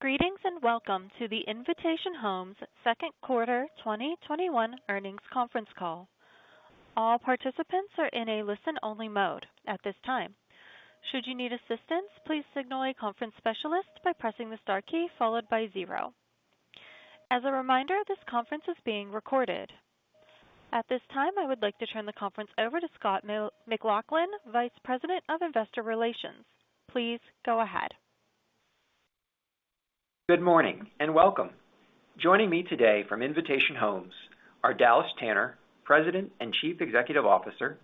Greetings, welcome to the Invitation Homes second quarter 2021 earnings conference call. All participants are in a listen-only mode at this time. Should you need assistance please signal a conference specialist by pressing star key followed by zero. As a reminder, this conference is being recorded. At this time, I would like to turn the conference over to Scott McLaughlin, Vice President of Investor Relations. Please go ahead. Good morning, and welcome. Joining me today from Invitation Homes are Dallas Tanner, President and Chief Executive Officer,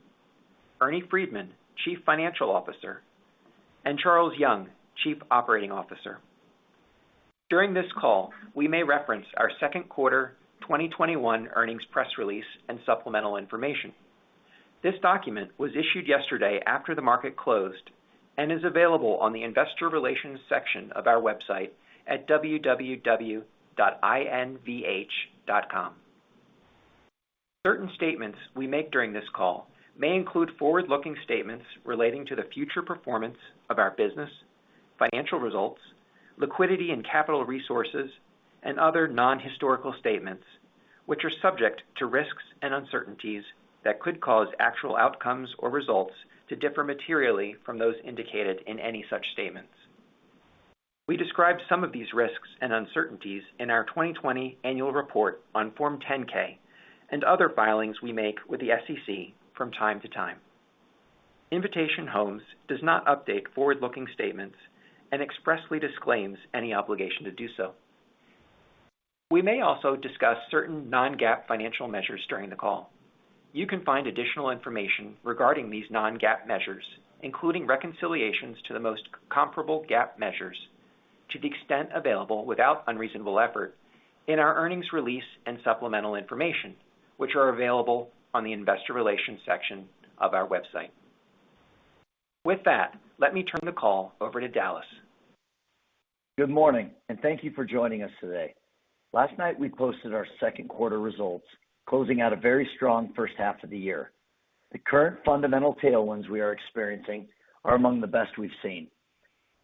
Ernie Freedman, Chief Financial Officer, and Charles Young, Chief Operating Officer. During this call, we may reference our second quarter 2021 earnings press release and supplemental information. This document was issued yesterday after the market closed and is available on the investor relations section of our website at www.invitationhomes.com. Certain statements we make during this call may include forward-looking statements relating to the future performance of our business, financial results, liquidity and capital resources, and other non-historical statements, which are subject to risks and uncertainties that could cause actual outcomes or results to differ materially from those indicated in any such statements. We describe some of these risks and uncertainties in our 2020 annual report on Form 10-K and other filings we make with the SEC from time to time. Invitation Homes does not update forward-looking statements and expressly disclaims any obligation to do so. We may also discuss certain non-GAAP financial measures during the call. You can find additional information regarding these non-GAAP measures, including reconciliations to the most comparable GAAP measures to the extent available without unreasonable effort in our earnings release and supplemental information, which are available on the investor relations section of our website. With that, let me turn the call over to Dallas. Good morning, and thank you for joining us today. Last night, we posted our second quarter results, closing out a very strong first half of the year. The current fundamental tailwinds we are experiencing are among the best we've seen,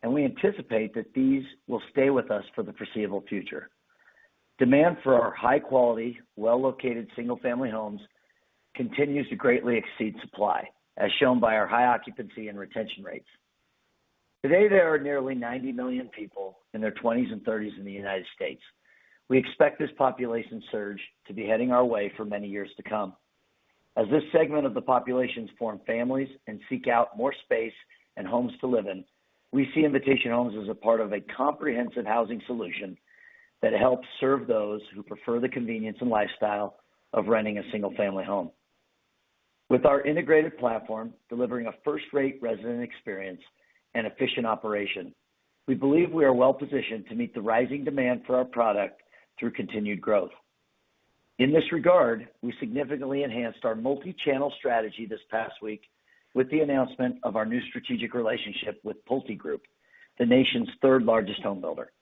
and we anticipate that these will stay with us for the foreseeable future. Demand for our high-quality, well-located single-family homes continues to greatly exceed supply, as shown by our high occupancy and retention rates. Today, there are nearly 90 million people in their 20s and 30s in the U.S. We expect this population surge to be heading our way for many years to come. As this segment of the population form families and seek out more space and homes to live in, we see Invitation Homes as a part of a comprehensive housing solution that helps serve those who prefer the convenience and lifestyle of renting a single-family home. With our integrated platform delivering a first-rate resident experience and efficient operation, we believe we are well-positioned to meet the rising demand for our product through continued growth. In this regard, we significantly enhanced our multi-channel strategy this past week with the announcement of our new strategic relationship with PulteGroup, the nation's third-largest home builder.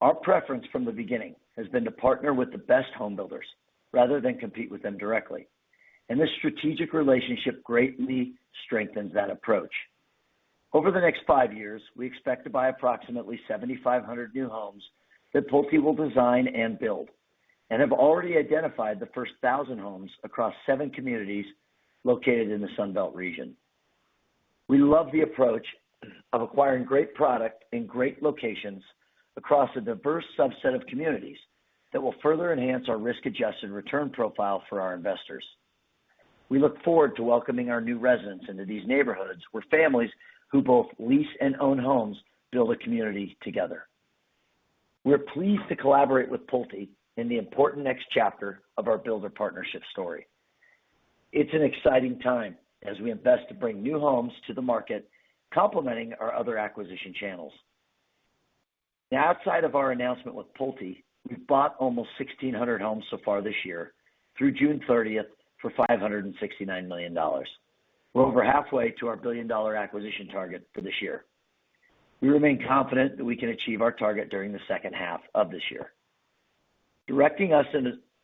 Our preference from the beginning has been to partner with the best home builders rather than compete with them directly, and this strategic relationship greatly strengthens that approach. Over the next five years, we expect to buy approximately 7,500 new homes that Pulte will design and build and have already identified the first 1,000 homes across seven communities located in the Sun Belt region. We love the approach of acquiring great product in great locations across a diverse subset of communities that will further enhance our risk-adjusted return profile for our investors. We look forward to welcoming our new residents into these neighborhoods, where families who both lease and own homes build a community together. We're pleased to collaborate with Pulte in the important next chapter of our builder partnership story. It's an exciting time as we invest to bring new homes to the market, complementing our other acquisition channels. Now, outside of our announcement with Pulte, we've bought almost 1,600 homes so far this year through June 30th for $569 million. We're over halfway to our billion-dollar acquisition target for this year. We remain confident that we can achieve our target during the second half of this year. Directing us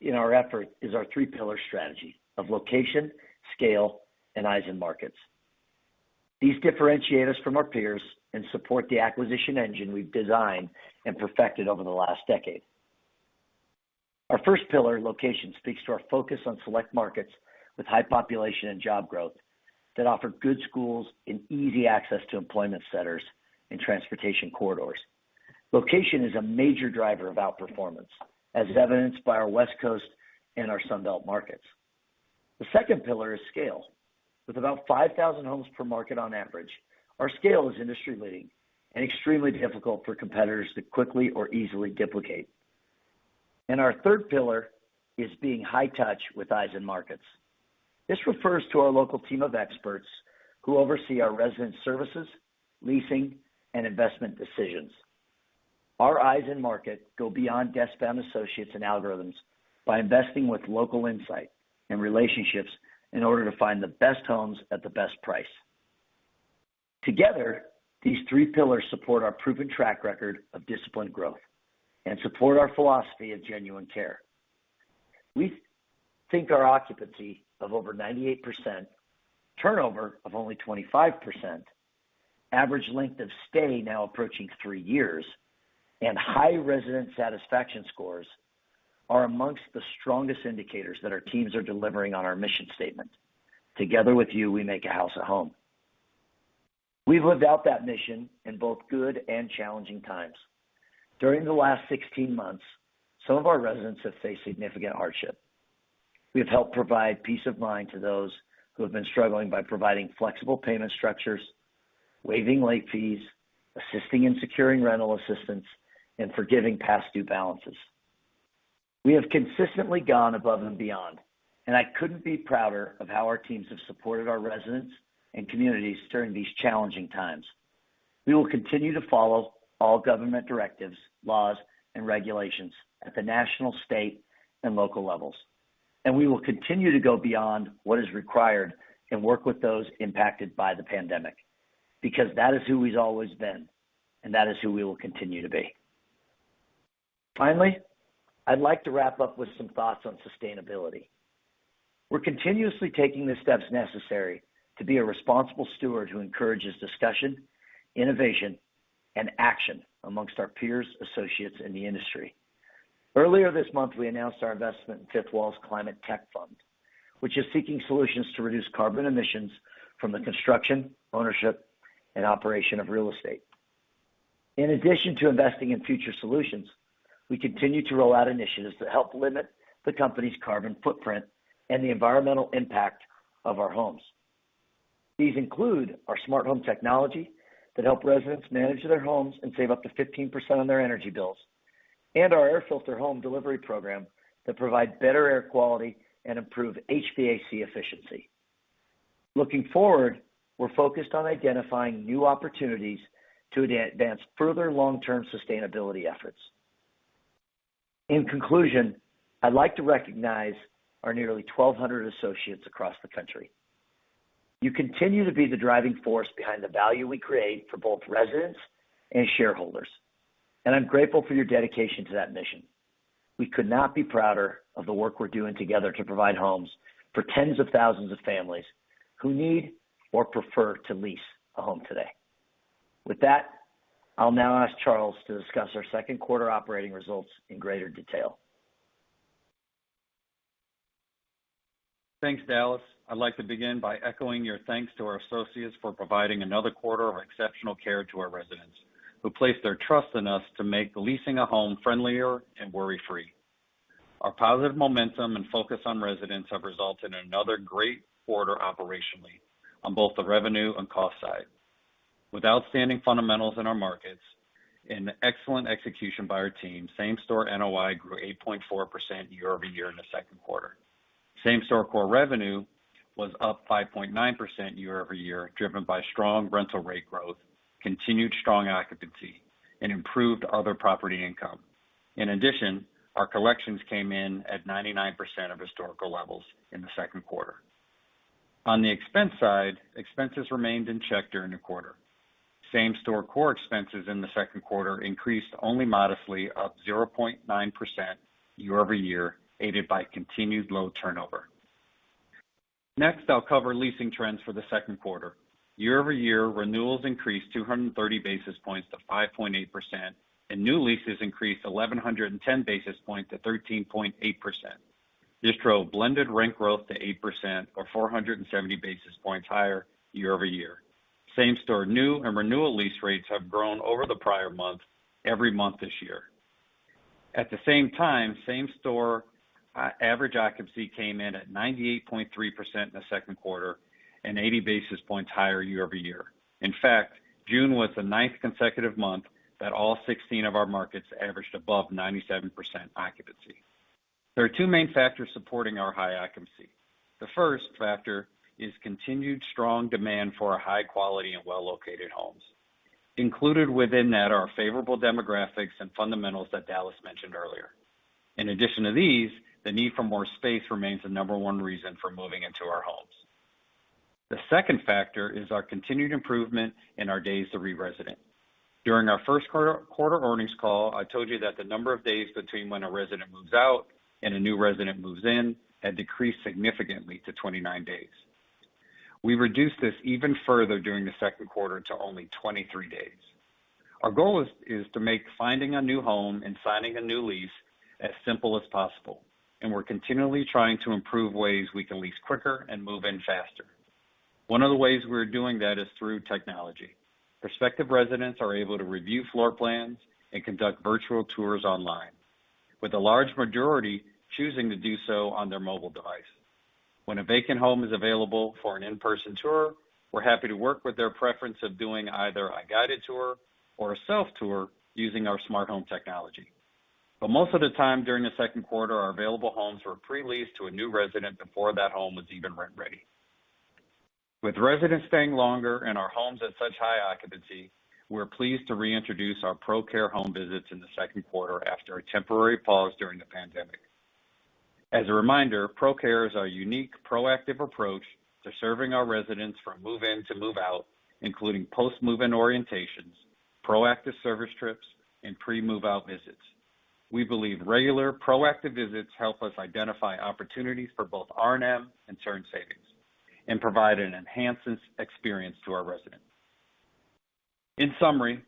in our effort is our three-pillar strategy of location, scale, and eyes in markets. These differentiate us from our peers and support the acquisition engine we've designed and perfected over the last decade. Our first pillar, location, speaks to our focus on select markets with high population and job growth that offer good schools and easy access to employment centers and transportation corridors. Location is a major driver of outperformance, as evidenced by our West Coast and our Sun Belt markets. The second pillar is scale. With about 5,000 homes per market on average, our scale is industry-leading and extremely difficult for competitors to quickly or easily duplicate. Our third pillar is being high touch with eyes in markets. This refers to our local team of experts who oversee our resident services, leasing, and investment decisions. Our eyes in market go beyond desk-bound associates and algorithms by investing with local insight and relationships in order to find the best homes at the best price. Together, these three pillars support our proven track record of disciplined growth and support our philosophy of genuine care. We think our occupancy of over 98%, turnover of only 25%, average length of stay now approaching three years, and high resident satisfaction scores are amongst the strongest indicators that our teams are delivering on our mission statement. Together with you, we make a house a home. We've lived out that mission in both good and challenging times. During the last 16 months, some of our residents have faced significant hardship. We have helped provide peace of mind to those who have been struggling by providing flexible payment structures, waiving late fees, assisting in securing rental assistance, and forgiving past due balances. We have consistently gone above and beyond, I couldn't be prouder of how our teams have supported our residents and communities during these challenging times. We will continue to follow all government directives, laws, and regulations at the national, state, and local levels. We will continue to go beyond what is required and work with those impacted by the pandemic. That is who we've always been, and that is who we will continue to be. I'd like to wrap up with some thoughts on sustainability. We're continuously taking the steps necessary to be a responsible steward who encourages discussion, innovation, and action amongst our peers, associates in the industry. Earlier this month, we announced our investment in Fifth Wall's climate tech fund, which is seeking solutions to reduce carbon emissions from the construction, ownership, and operation of real estate. In addition to investing in future solutions, we continue to roll out initiatives that help limit the company's carbon footprint and the environmental impact of our homes. These include our smart home technology that help residents manage their homes and save up to 15% on their energy bills, and our air filter home delivery program that provide better air quality and improve HVAC efficiency. Looking forward, we're focused on identifying new opportunities to advance further long-term sustainability efforts. In conclusion, I'd like to recognize our nearly 1,200 associates across the country. You continue to be the driving force behind the value we create for both residents and shareholders, and I'm grateful for your dedication to that mission. We could not be prouder of the work we're doing together to provide homes for tens of thousand of families who need or prefer to lease a home today. With that, I'll now ask Charles to discuss our second quarter operating results in greater detail. Thanks, Dallas. I'd like to begin by echoing your thanks to our associates for providing another quarter of exceptional care to our residents who place their trust in us to make leasing a home friendlier and worry-free. Our positive momentum and focus on residents have resulted in another great quarter operationally on both the revenue and cost side. With outstanding fundamentals in our markets and excellent execution by our team, same-store NOI grew 8.4% year-over-year in the second quarter. Same-store core revenue was up 5.9% year-over-year, driven by strong rental rate growth, continued strong occupancy, and improved other property income. In addition, our collections came in at 99% of historical levels in the second quarter. On the expense side, expenses remained in check during the quarter. Same-store core expenses in the second quarter increased only modestly up 0.9% year-over-year, aided by continued low turnover. Next, I'll cover leasing trends for the second quarter. Year-over-year, renewals increased 230 basis points to 5.8%, and new leases increased 1,110 basis points to 13.8%. This drove blended rent growth to 8% or 470 basis points higher year-over-year. Same-store new and renewal lease rates have grown over the prior month every month this year. At the same time, same-store average occupancy came in at 98.3% in the second quarter and 80 basis points higher year-over-year. In fact, June was the ninth consecutive month that all 16 of our markets averaged above 97% occupancy. There are two main factors supporting our high occupancy. The first factor is continued strong demand for our high quality and well-located homes. Included within that are favorable demographics and fundamentals that Dallas mentioned earlier. In addition to these, the need for more space remains the number one reason for moving into our homes. The second factor is our continued improvement in our days to re-resident. During our first quarter earnings call, I told you that the number of days between when a resident moves out and a new resident moves in had decreased significantly to 29 days. We reduced this even further during the second quarter to only 23 days. Our goal is to make finding a new home and signing a new lease as simple as possible, and we're continually trying to improve ways we can lease quicker and move in faster. One of the ways we're doing that is through technology. Prospective residents are able to review floor plans and conduct virtual tours online, with a large majority choosing to do so on their mobile device. When a vacant home is available for an in-person tour, we're happy to work with their preference of doing either a guided tour or a self-tour using our smart home technology. Most of the time during the second quarter, our available homes were pre-leased to a new resident before that home was even rent-ready. With residents staying longer and our homes at such high occupancy, we're pleased to reintroduce our ProCare home visits in the second quarter after a temporary pause during the pandemic. As a reminder, ProCare is our unique, proactive approach to serving our residents from move-in to move-out, including post-move-in orientations, proactive service trips and pre-move out visits. We believe regular proactive visits help us identify opportunities for both R&M and churn savings and provide an enhanced experience to our residents. In summary,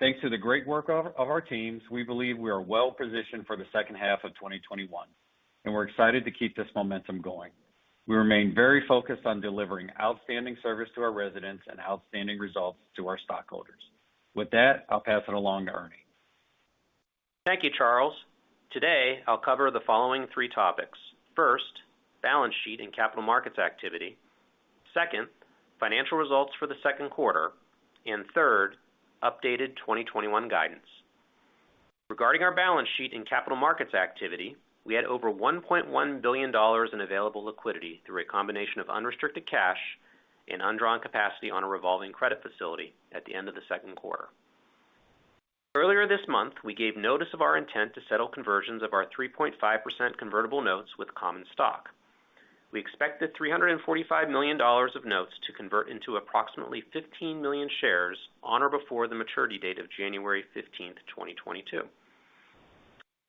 thanks to the great work of our teams, we believe we are well-positioned for the second half of 2021, and we're excited to keep this momentum going. We remain very focused on delivering outstanding service to our residents and outstanding results to our stockholders. With that, I'll pass it along to Ernie. Thank you, Charles. Today, I'll cover the following three topics. First, balance sheet and capital markets activity. Second, financial results for the second quarter. 3rd, updated 2021 guidance. Regarding our balance sheet and capital markets activity, we had over $1.1 billion in available liquidity through a combination of unrestricted cash and undrawn capacity on a revolving credit facility at the end of the second quarter. Earlier this month, we gave notice of our intent to settle conversions of our 3.5% convertible notes with common stock. We expect the $345 million of notes to convert into approximately 15 million shares on or before the maturity date of January 15th, 2022.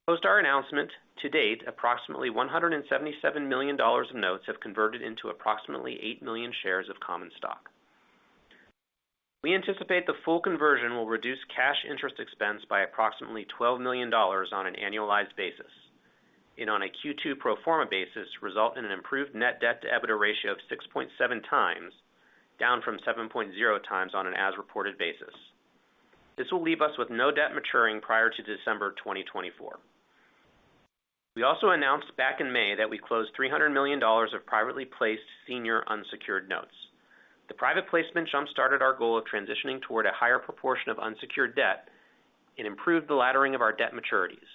Post our announcement, to date, approximately $177 million of notes have converted into approximately 8 million shares of common stock. We anticipate the full conversion will reduce cash interest expense by approximately $12 million on an annualized basis and on a Q2 pro forma basis, result in an improved net debt-to-EBITDA ratio of 6.7 x, down from 7.0 x on an as-reported basis. This will leave us with no debt maturing prior to December 2024. We also announced back in May that we closed $300 million of privately placed senior unsecured notes. The private placement jumpstarted our goal of transitioning toward a higher proportion of unsecured debt and improved the laddering of our debt maturities.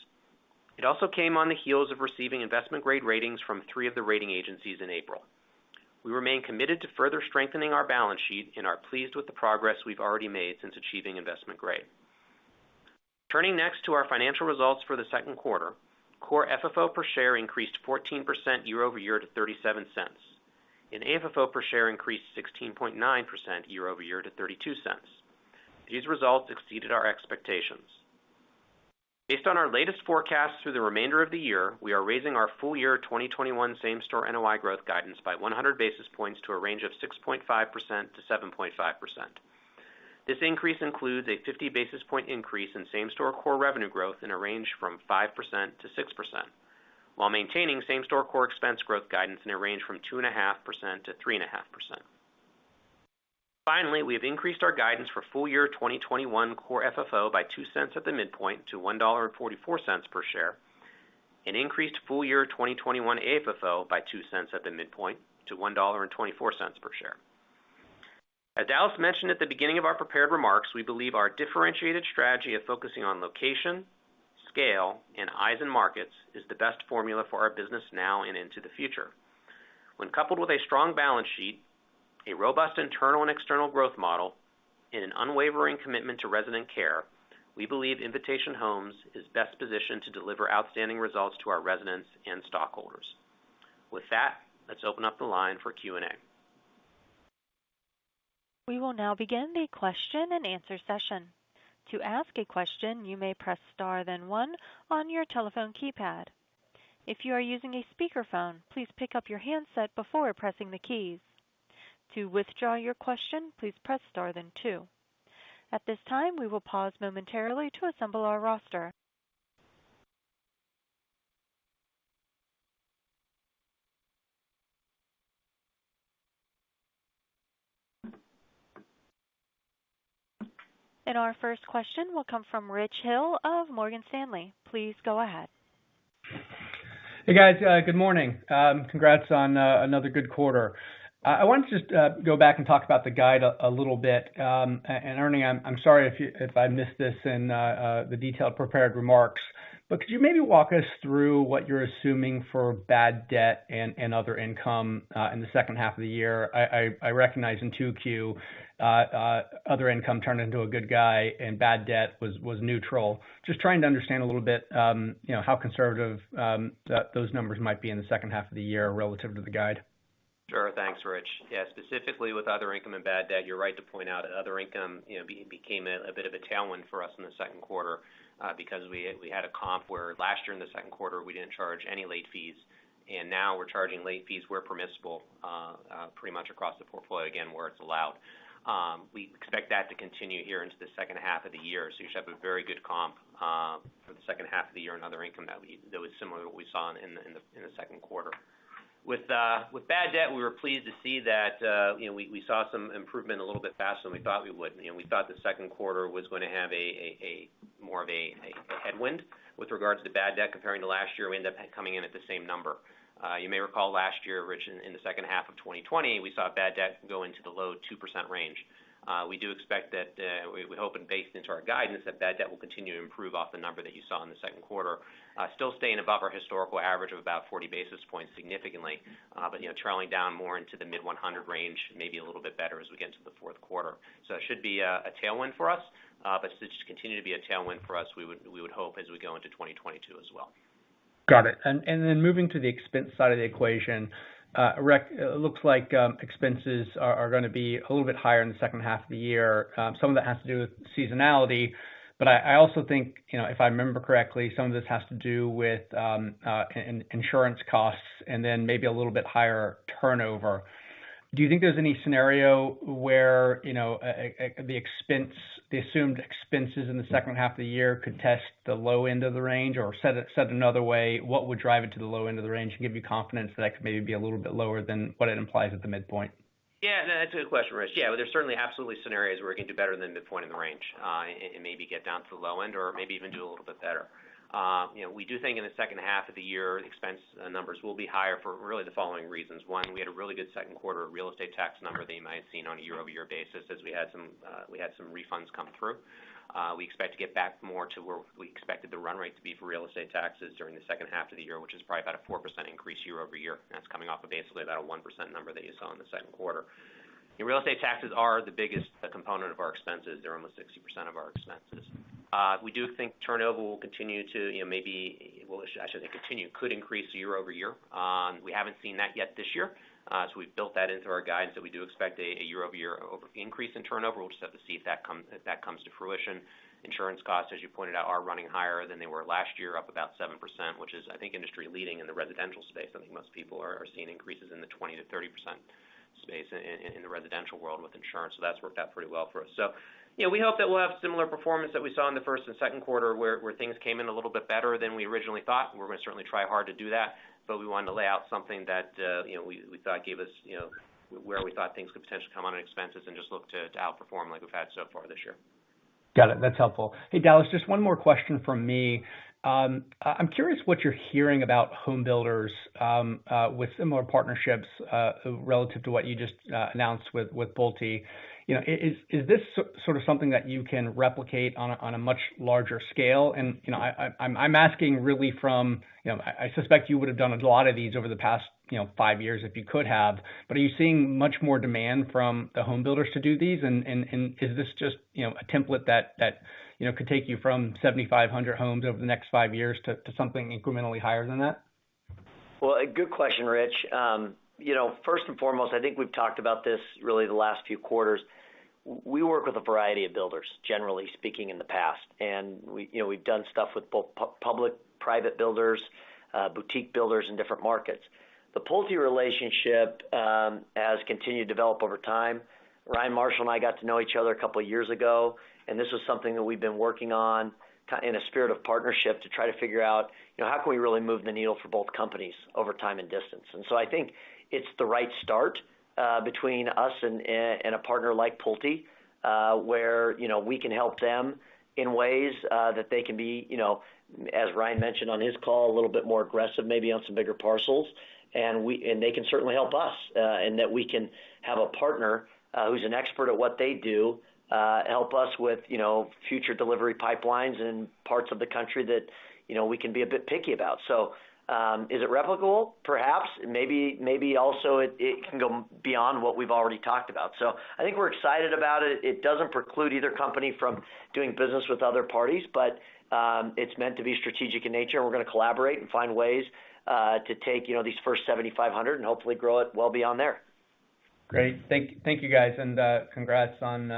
It also came on the heels of receiving investment-grade ratings from three of the rating agencies in April. We remain committed to further strengthening our balance sheet and are pleased with the progress we've already made since achieving investment grade. Turning next to our financial results for the second quarter. Core FFO per share increased 14% year-over-year to $0.37 and AFFO per share increased 16.9% year-over-year to $0.32. These results exceeded our expectations. Based on our latest forecast through the remainder of the year, we are raising our full year 2021 same-store NOI growth guidance by 100 basis points to a range of 6.5%-7.5%. This increase includes a 50 basis point increase in same-store core revenue growth in a range from 5%-6%, while maintaining same-store core expense growth guidance in a range from 2.5%-3.5%. Finally, we have increased our guidance for full year 2021 Core FFO by $0.02 at the midpoint to $1.44 per share and increased full year 2021 AFFO by $0.02 at the midpoint to $1.24 per share. As Dallas mentioned at the beginning of our prepared remarks, we believe our differentiated strategy of focusing on location, scale, and eyes in markets is the best formula for our business now and into the future. When coupled with a strong balance sheet, a robust internal and external growth model, and an unwavering commitment to resident care, we believe Invitation Homes is best positioned to deliver outstanding results to our residents and stockholders. With that, let's open up the line for Q&A. We will now begin the question and answer session. Then to ask a question you may press star then one on ur telephone keypad. If you are using the speaker sound please pick up the handset before pressing the key, to withdraw your question please press star then two. At this time we will pause momentarily to assemble our roaster. Our first question will come from Richard Hill of Morgan Stanley. Please go ahead. Hey, guys. Good morning. Congrats on another good quarter. I wanted to just go back and talk about the guide a little bit. Ernie, I'm sorry if I missed this in the detailed prepared remarks, but could you maybe walk us through what you're assuming for bad debt and other income in the second half of the year? I recognize in 2Q other income turned into a good guy and bad debt was neutral. Just trying to understand a little bit how conservative those numbers might be in the second half of the year relative to the guide. Sure. Thanks, Rich. Yeah, specifically with other income and bad debt, you're right to point out other income became a bit of a tailwind for us in the second quarter because we had a comp where last year in the second quarter, we didn't charge any late fees, and now we're charging late fees where permissible pretty much across the portfolio, again, where it's allowed. We expect that to continue here into the second half of the year. You should have a very good comp for the second half of the year and other income that was similar to what we saw in the second quarter. With bad debt, we were pleased to see that we saw some improvement a little bit faster than we thought we would. We thought the second quarter was going to have more of a headwind with regards to bad debt comparing to last year. We ended up coming in at the same number. You may recall last year, Rich, in the second half of 2020, we saw bad debt go into the low 2% range. We hope and baked into our guidance that bad debt will continue to improve off the number that you saw in the second quarter, still staying above our historical average of about 40 basis points significantly, but trailing down more into the mid 100 range, maybe a little bit better as we get into the fourth quarter. That should be a tailwind for us, but should continue to be a tailwind for us, we would hope as we go into 2022 as well. Got it. Moving to the expense side of the equation. Rick, it looks like expenses are going to be a little bit higher in the second half of the year. Some of that has to do with seasonality, but I also think, if I remember correctly, some of this has to do with insurance costs and then maybe a little bit higher turnover. Do you think there's any scenario where the assumed expenses in the second half of the year could test the low end of the range? Said another way, what would drive it to the low end of the range and give you confidence that it could maybe be a little bit lower than what it implies at the midpoint? Yeah. No, that's a good question, Rich. Yeah. There's certainly absolutely scenarios where we can do better than midpoint in the range, and maybe get down to the low end or maybe even do a little bit better. We do think in the second half of the year, expense numbers will be higher for really the following reasons. One, we had a really good 2Q real estate tax number than you might have seen on a year-over-year basis as we had some refunds come through. We expect to get back more to where we expected the run rate to be for real estate taxes during the second half of the year, which is probably about a 4% increase year-over-year. That's coming off of basically about a 1% number that you saw in the 2Q. Real estate taxes are the biggest component of our expenses. They're almost 60% of our expenses. We do think turnover will continue to maybe I shouldn't say continue, could increase year-over-year. We haven't seen that yet this year, so we've built that into our guidance that we do expect a year-over-year increase in turnover. We'll just have to see if that comes to fruition. Insurance costs, as you pointed out, are running higher than they were last year, up about 7%, which is, I think, industry-leading in the residential space. I think most people are seeing increases in the 20%-30% space in the residential world with insurance. That's worked out pretty well for us. We hope that we'll have similar performance that we saw in the first and second quarter, where things came in a little bit better than we originally thought, and we're going to certainly try hard to do that. We wanted to lay out something that, we thought gave us, where we thought things could potentially come on in expenses and just look to outperform like we've had so far this year. Got it. That's helpful. Hey, Dallas, just one more question from me. I'm curious what you're hearing about home builders, with similar partnerships, relative to what you just announced with Pulte. Is this sort of something that you can replicate on a much larger scale? I'm asking really from, I suspect you would've done a lot of these over the past five years if you could have, but are you seeing much more demand from the home builders to do these? Is this just a template that could take you from 7,500 homes over the next five years to something incrementally higher than that? Well, a good question, Richard Hill. First and foremost, I think we've talked about this really the last few quarters. We work with a variety of builders, generally speaking, in the past. We've done stuff with both public, private builders, boutique builders in different markets. The Pulte relationship, has continued to develop over time. Ryan Marshall and I got to know each other a couple of years ago, and this was something that we've been working on kind of in a spirit of partnership to try to figure out, how can we really move the needle for both companies over time and distance? I think it's the right start between us and a partner like Pulte. Where we can help them in ways that they can be, as Ryan mentioned on his call, a little bit more aggressive, maybe on some bigger parcels. They can certainly help us, in that we can have a partner, who's an expert at what they do, help us with future delivery pipelines in parts of the country that we can be a bit picky about. Is it replicable? Perhaps. Maybe also it can go beyond what we've already talked about. I think we're excited about it. It doesn't preclude either company from doing business with other parties, it's meant to be strategic in nature, and we're going to collaborate and find ways to take these first 7,500 and hopefully grow it well beyond there. Great. Thank you guys, and congrats on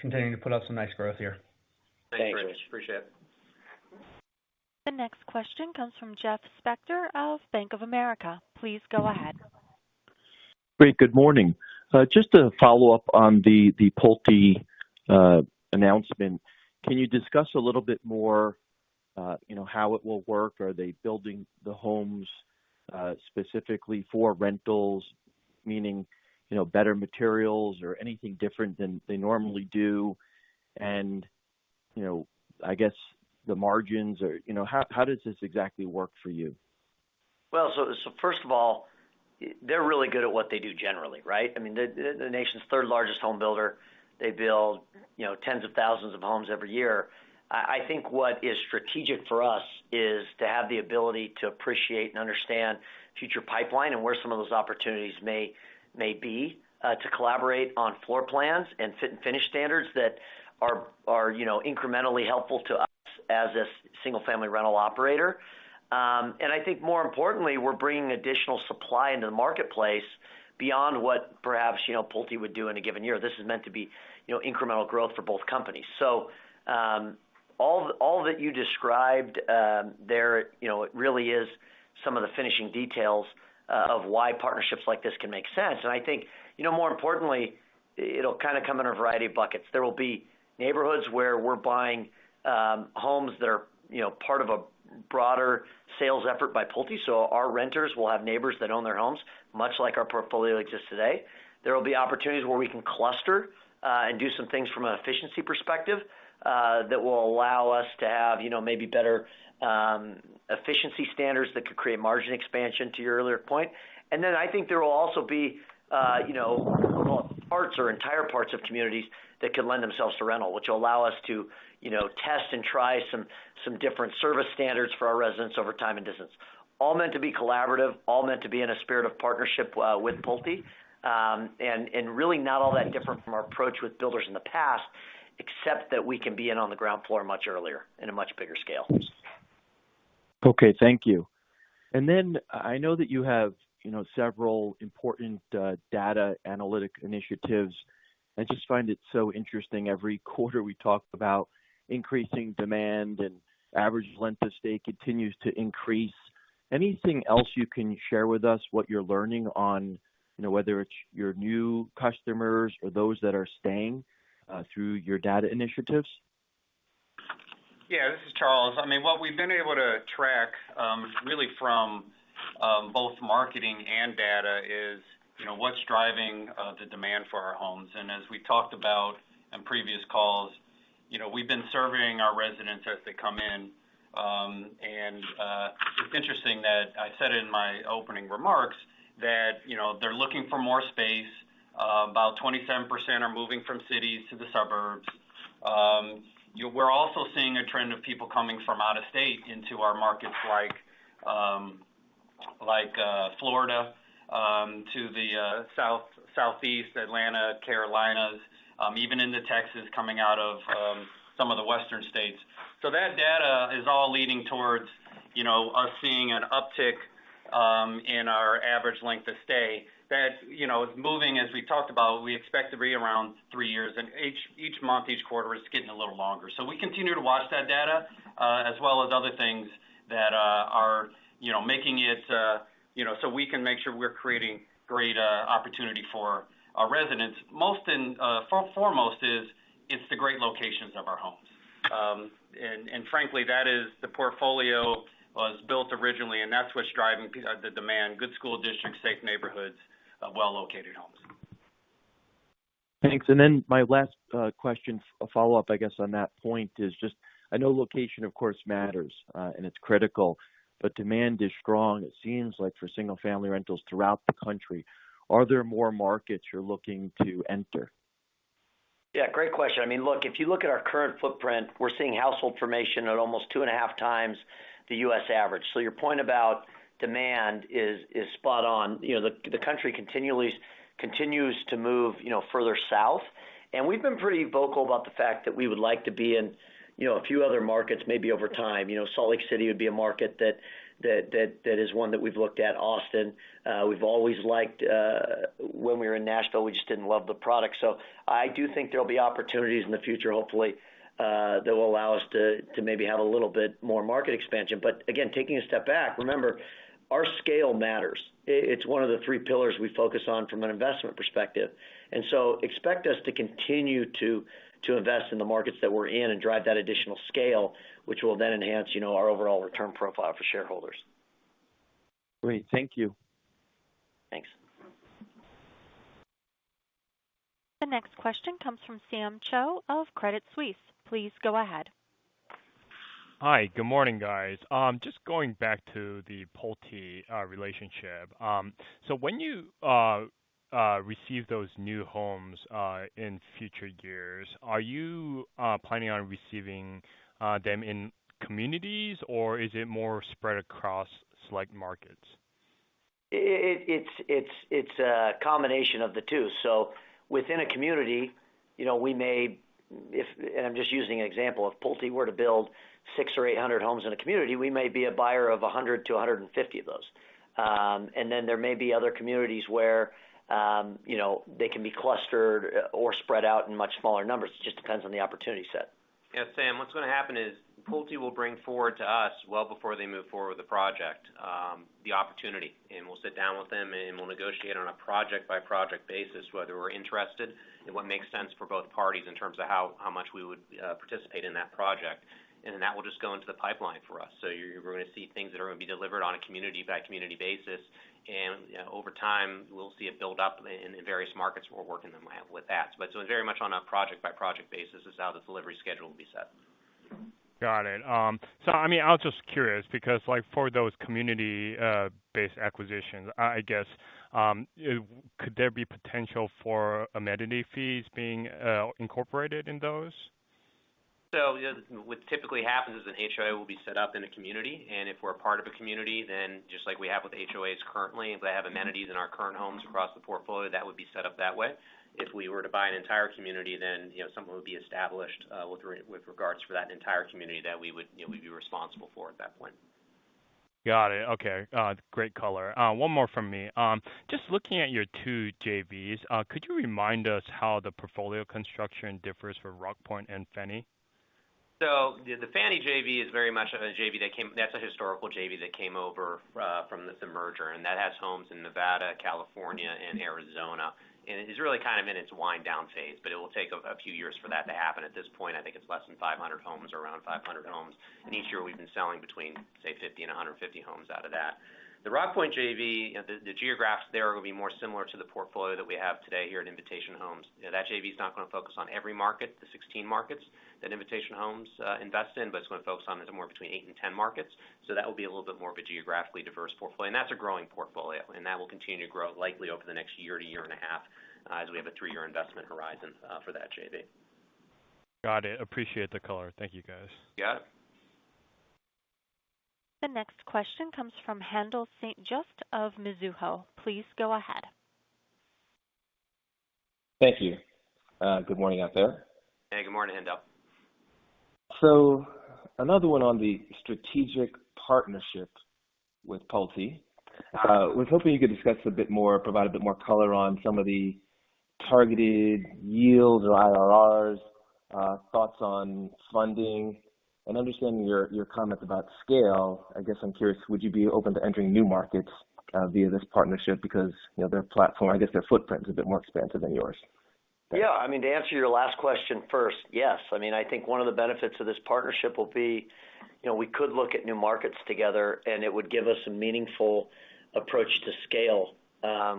continuing to put up some nice growth here. Thanks, Rich. Thanks, Rich. Appreciate it. The next question comes from Jeffrey Spector of Bank of America. Please go ahead. Great. Good morning. Just to follow up on the Pulte announcement. Can you discuss a little bit more how it will work? Are they building the homes specifically for rentals, meaning better materials or anything different than they normally do? I guess the margins are How does this exactly work for you? First of all, they're really good at what they do generally, right? They're the nation's third-largest home builder. They build tens of thousands of homes every year. I think what is strategic for us is to have the ability to appreciate and understand future pipeline and where some of those opportunities may be, to collaborate on floor plans and fit and finish standards that are incrementally helpful to us as a single-family rental operator. I think more importantly, we're bringing additional supply into the marketplace beyond what perhaps Pulte would do in a given year. This is meant to be incremental growth for both companies. All that you described there, it really is some of the finishing details of why partnerships like this can make sense. I think, more importantly, it'll kind of come in a variety of buckets. There will be neighborhoods where we're buying homes that are part of a broader sales effort by Pulte. Our renters will have neighbors that own their homes, much like our portfolio exists today. There will be opportunities where we can cluster, and do some things from an efficiency perspective, that will allow us to have maybe better efficiency standards that could create margin expansion to your earlier point. I think there will also be parts or entire parts of communities that could lend themselves to rental, which will allow us to test and try some different service standards for our residents over time and distance. All meant to be collaborative, all meant to be in a spirit of partnership with Pulte. Really not all that different from our approach with builders in the past, except that we can be in on the ground floor much earlier in a much bigger scale. Okay, thank you. I know that you have several important data analytic initiatives, I just find it so interesting every quarter we talk about increasing demand and average length of stay continues to increase. Anything else you can share with us what you're learning on whether it's your new customers or those that are staying through your data initiatives? Yeah. This is Charles. What we've been able to track, really from both marketing and data, is what's driving the demand for our homes. As we talked about in previous calls, we've been surveying our residents as they come in. It's interesting that I said in my opening remarks that they're looking for more space. About 27% are moving from cities to the suburbs. We're also seeing a trend of people coming from out of state into our markets like Florida to the Southeast, Atlanta, Carolinas, even into Texas, coming out of some of the Western states. That data is all leading towards us seeing an uptick in our average length of stay that is moving, as we talked about, we expect to be around three years. Each month, each quarter, it's getting a little longer. We continue to watch that data, as well as other things that are making it so we can make sure we're creating great opportunity for our residents. Foremost is, it's the great locations of our homes. Frankly, that is the portfolio was built originally, and that's what's driving the demand. Good school districts, safe neighborhoods, well-located homes. Thanks. My last question, a follow-up, I guess, on that point is just I know location, of course, matters, and it's critical, but demand is strong, it seems like, for single-family rentals throughout the country. Are there more markets you're looking to enter? Yeah, great question. Look, if you look at our current footprint, we're seeing household formation at almost two and a half times the U.S. average. Your point about demand is spot on. The country continues to move further south, we've been pretty vocal about the fact that we would like to be in a few other markets, maybe over time. Salt Lake City would be a market that is one that we've looked at. Austin. We've always liked, when we were in Nashville, we just didn't love the product. I do think there'll be opportunities in the future, hopefully, that will allow us to maybe have a little bit more market expansion. Again, taking a step back, remember, our scale matters. It's one of the three pillars we focus on from an investment perspective. Expect us to continue to invest in the markets that we're in and drive that additional scale, which will then enhance our overall return profile for shareholders. Great. Thank you. Thanks. The next question comes from Sam Choe of Credit Suisse. Please go ahead. Hi. Good morning, guys. Just going back to the Pulte relationship. When you receive those new homes in future years, are you planning on receiving them in communities, or is it more spread across select markets? It's a combination of the two. Within a community, we may, and I'm just using an example, if Pulte were to build 600 or 800 homes in a community, we may be a buyer of 100 to 150 of those. There may be other communities where they can be clustered or spread out in much smaller numbers. It just depends on the opportunity set. Yeah, Sam, what's going to happen is Pulte will bring forward to us, well before they move forward with the project, the opportunity, and we'll sit down with them, and we'll negotiate on a project-by-project basis whether we're interested and what makes sense for both parties in terms of how much we would participate in that project. That will just go into the pipeline for us. You're going to see things that are going to be delivered on a community-by-community basis. Over time, we'll see it build up in various markets where we're working with that. Very much on a project-by-project basis is how the delivery schedule will be set. I was just curious because for those community-based acquisitions, I guess, could there be potential for amenity fees being incorporated in those? What typically happens is an HOA will be set up in a community, and if we're a part of a community, then just like we have with HOAs currently, if they have amenities in our current homes across the portfolio, that would be set up that way. If we were to buy an entire community, then something would be established with regards for that entire community that we would be responsible for at that point. Got it. Okay. Great color. One more from me. Just looking at your two JVs, could you remind us how the portfolio construction differs for Rockpoint and Fannie? The Fannie JV is very much a historical JV that came over from this merger, and that has homes in Nevada, California, and Arizona, and is really kind of in its wind-down phase, but it will take a few years for that to happen. At this point, I think it's less than 500 homes or around 500 homes. Each year we've been selling between, say, 50 and 150 homes out of that. The Rockpoint JV, the geographies there will be more similar to the portfolio that we have today here at Invitation Homes. That JV is not going to focus on every market, the 16 markets that Invitation Homes invest in, but it's going to focus on more between eight and 10 markets. That will be a little bit more of a geographically diverse portfolio. That's a growing portfolio, and that will continue to grow likely over the next year to year and a half as we have a 3-year investment horizon for that JV. Got it. Appreciate the color. Thank you, guys. Yeah. The next question comes from Haendel St. Juste of Mizuho. Please go ahead. Thank you. Good morning out there. Hey, good morning, Haendel. Another one on the strategic partnership with Pulte. I was hoping you could discuss a bit more, provide a bit more color on some of the targeted yields or IRRs, thoughts on funding, and understanding your comments about scale. I guess I'm curious, would you be open to entering new markets via this partnership? Because their platform, I guess their footprint is a bit more expansive than yours. Yeah. To answer your last question first, yes. I think one of the benefits of this partnership will be, we could look at new markets together, and it would give us a meaningful approach to scale,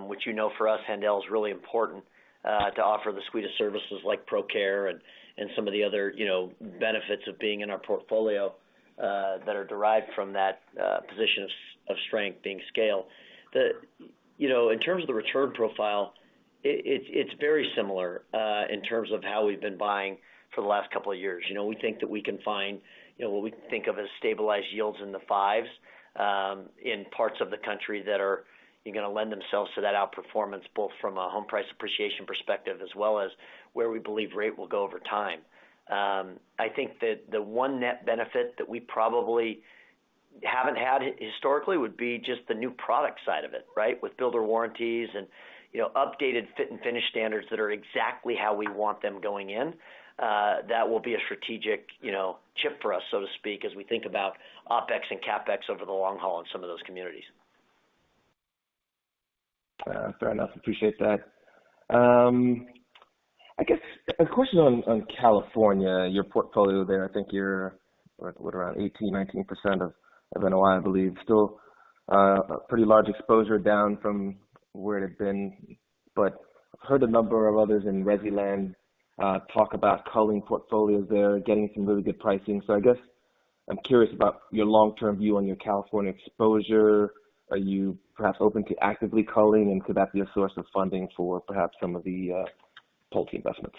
which you know for us, Haendel, is really important to offer the suite of services like ProCare and some of the other benefits of being in our portfolio that are derived from that position of strength being scale. In terms of the return profile, it's very similar in terms of how we've been buying for the last couple of years. We think that we can find what we think of as stabilized yields in the fives, in parts of the country that are going to lend themselves to that outperformance, both from a home price appreciation perspective, as well as where we believe rate will go over time. I think that the one net benefit that we probably haven't had historically would be just the new product side of it, right? With builder warranties and updated fit and finish standards that are exactly how we want them going in. That will be a strategic chip for us, so to speak, as we think about Opex and CapEx over the long haul in some of those communities. Fair enough. Appreciate that. I guess a question on California, your portfolio there, I think you're at around 18%, 19% of NOI, I believe. Still a pretty large exposure down from where it had been, but I've heard a number of others in resi land talk about culling portfolios there, getting some really good pricing. I guess I'm curious about your long-term view on your California exposure. Are you perhaps open to actively culling, and could that be a source of funding for perhaps some of the Pulte investments?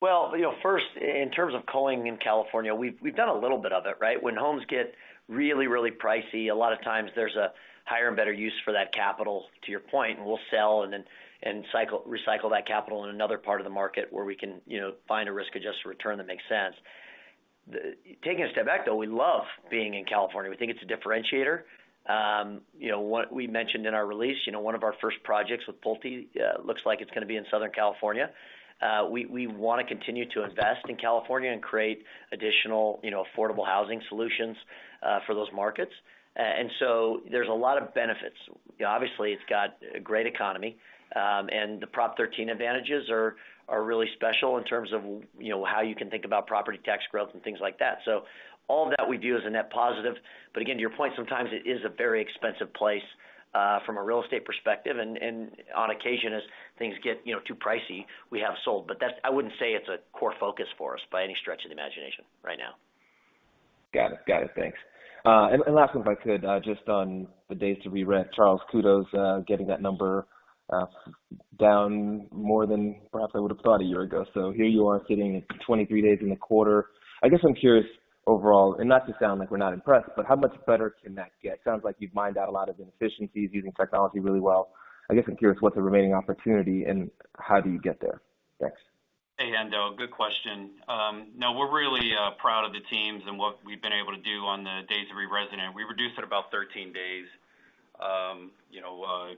Well, first, in terms of culling in California, we've done a little bit of it, right? When homes get really, really pricey, a lot of times there's a higher and better use for that capital, to your point, and we'll sell and then recycle that capital in another part of the market where we can find a risk-adjusted return that makes sense. Taking a step back, though, we love being in California. We think it's a differentiator. What we mentioned in our release, one of our first projects with Pulte looks like it's going to be in Southern California. We want to continue to invest in California and create additional affordable housing solutions for those markets. There's a lot of benefits. Obviously, it's got a great economy. The Proposition 13 advantages are really special in terms of how you can think about property tax growth and things like that. All that we view as a net positive. Again, to your point, sometimes it is a very expensive place from a real estate perspective. On occasion, as things get too pricey, we have sold. I wouldn't say it's a core focus for us by any stretch of the imagination right now. Got it. Thanks. Last one, if I could, just on the days to re-rent. Charles, kudos getting that number down more than perhaps I would have thought a year ago. Here you are sitting at 23 days in the quarter. I guess I'm curious overall, and not to sound like we're not impressed, but how much better can that get? Sounds like you've mined out a lot of inefficiencies using technology really well. I guess I'm curious what the remaining opportunity and how do you get there? Thanks. Hey, Haendel, good question. No, we're really proud of the teams and what we've been able to do on the days to re-resident. We reduced it about 13 days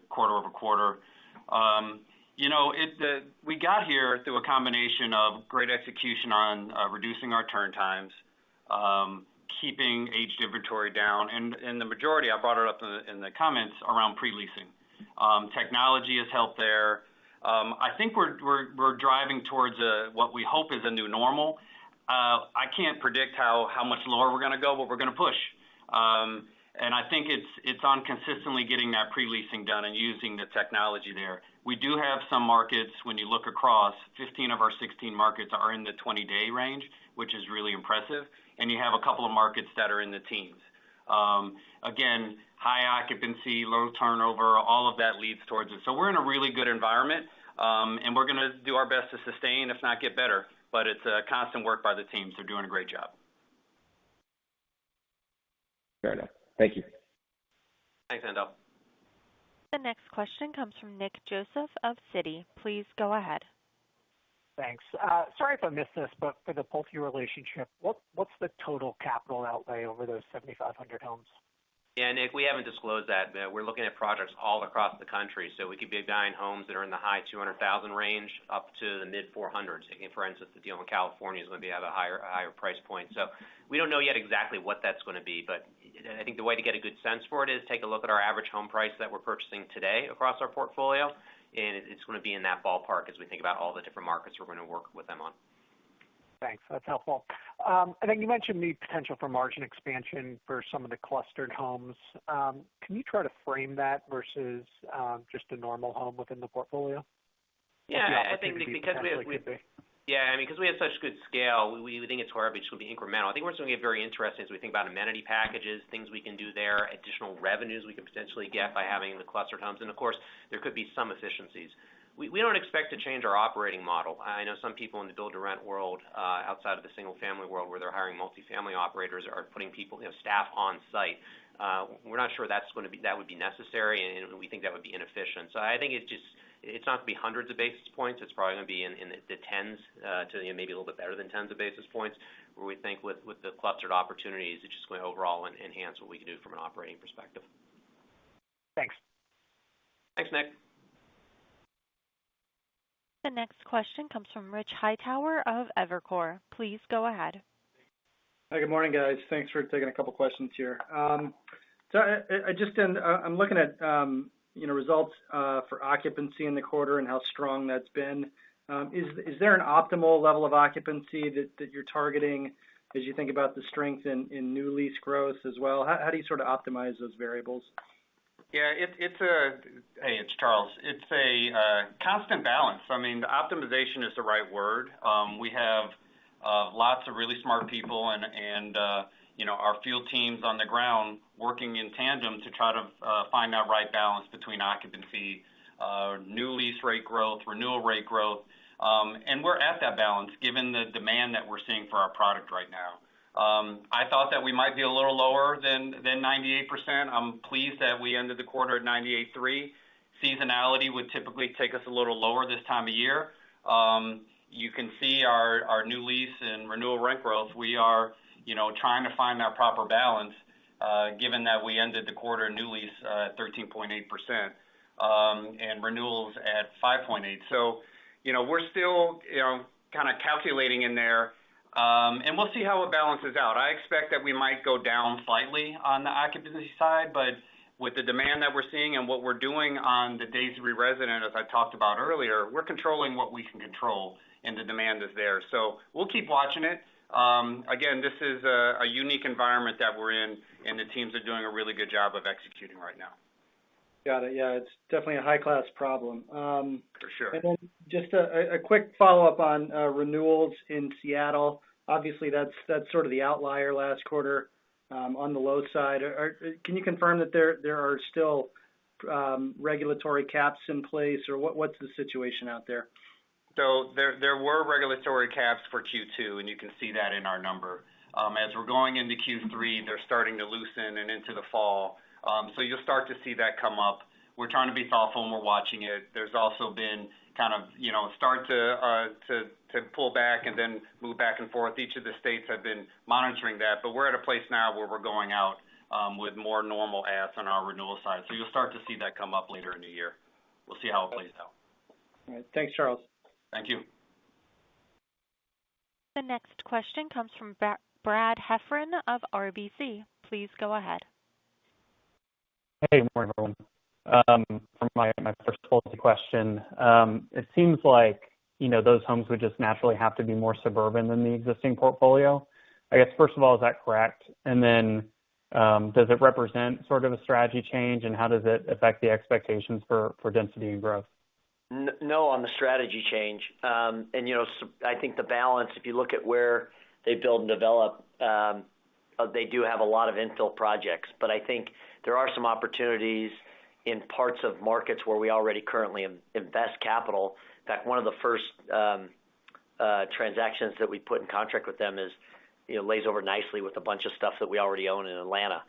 quarter-over-quarter. We got here through a combination of great execution on reducing our turn times, keeping aged inventory down, and the majority, I brought it up in the comments, around pre-leasing. Technology has helped there. I think we're driving towards what we hope is a new normal. I can't predict how much lower we're going to go, but we're going to push. I think it's on consistently getting that pre-leasing done and using the technology there. We do have some markets when you look across, 15 of our 16 markets are in the 20-day range, which is really impressive. You have a couple of markets that are in the teens. High occupancy, low turnover, all of that leads towards it. We're in a really good environment. We're going to do our best to sustain, if not get better. It's a constant work by the teams. They're doing a great job. Fair enough. Thank you. Thanks, Haendel. The next question comes from Nick Joseph of Citi. Please go ahead. Thanks. Sorry if I missed this, but for the Pulte relationship, what's the total capital outlay over those 7,500 homes? Yeah, Nick, we haven't disclosed that. We're looking at projects all across the country. We could be buying homes that are in the high $200,000 range up to the mid $400s. For instance, the deal in California is going to be at a higher price point. We don't know yet exactly what that's going to be, but I think the way to get a good sense for it is take a look at our average home price that we're purchasing today across our portfolio, and it's going to be in that ballpark as we think about all the different markets we're going to work with them on. Thanks. That's helpful. I think you mentioned the potential for margin expansion for some of the clustered homes. Can you try to frame that versus just a normal home within the portfolio? Yeah. Because we have such good scale, we think it's where our reach will be incremental. I think where it's going to get very interesting is we think about amenity packages, things we can do there, additional revenues we can potentially get by having the clustered homes. Of course, there could be some efficiencies. We don't expect to change our operating model. I know some people in the build-to-rent world, outside of the single-family world where they're hiring multifamily operators are putting staff on site. We're not sure that would be necessary, and we think that would be inefficient. I think it's not going to be hundreds of basis points. It's probably going to be in the tens to maybe a little bit better than tens of basis points where we think with the clustered opportunities, it's just going to overall enhance what we can do from an operating perspective. Thanks. Thanks, Nick. The next question comes from Richard Hightower of Evercore. Please go ahead. Hi. Good morning, guys. Thanks for taking a couple questions here. I'm looking at results for occupancy in the quarter and how strong that's been. Is there an optimal level of occupancy that you're targeting as you think about the strength in new lease growth as well? How do you sort of optimize those variables? Yeah. Hey, it's Charles. It's a constant balance. Optimization is the right word. We have lots of really smart people and our field teams on the ground working in tandem to try to find that right balance between occupancy, new lease rate growth, renewal rate growth. We're at that balance given the demand that we're seeing for our product right now. I thought that we might be a little lower than 98%. I'm pleased that we ended the quarter at 98.3%. Seasonality would typically take us a little lower this time of year. You can see our new lease and renewal rent growth. We are trying to find that proper balance, given that we ended the quarter new lease at 13.8%, and renewals at 5.8%. We're still kind of calculating in there. We'll see how it balances out. I expect that we might go down slightly on the occupancy side, but with the demand that we're seeing and what we're doing on the days re-resident, as I talked about earlier, we're controlling what we can control, and the demand is there. We'll keep watching it. Again, this is a unique environment that we're in, and the teams are doing a really good job of executing right now. Got it. Yeah, it's definitely a high-class problem. For sure. Just a quick follow-up on renewals in Seattle. Obviously, that's sort of the outlier last quarter, on the low side. Can you confirm that there are still regulatory caps in place, or what's the situation out there? There were regulatory caps for Q2, and you can see that in our number. As we're going into Q3, they're starting to loosen and into the fall. You'll start to see that come up. We're trying to be thoughtful, and we're watching it. There's also been kind of start to pull back and then move back and forth. Each of the states have been monitoring that. We're at a place now where we're going out with more normal adds on our renewal side. You'll start to see that come up later in the year. We'll see how it plays out. All right. Thanks, Charles. Thank you. The next question comes from Brad Heffern of RBC. Please go ahead. Hey, good morning, everyone. For my first policy question, it seems like those homes would just naturally have to be more suburban than the existing portfolio. I guess first of all, is that correct? Does it represent sort of a strategy change, and how does it affect the expectations for density and growth? No on the strategy change. I think the balance, if you look at where they build and develop, they do have a lot of infill projects. I think there are some opportunities in parts of markets where we already currently invest capital. In fact, one of the first transactions that we put in contract with them lays over nicely with a bunch of stuff that we already own in Atlanta.